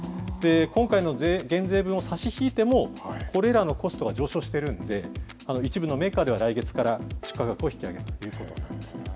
今回の減税分を差し引いても、これらのコストが上昇しているんで、一部のメーカーでは来月から出荷価格を引き上げるということなんです。